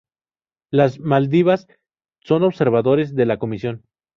Las Maldivas son observadores de la comisión.